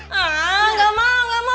enggak mau enggak mau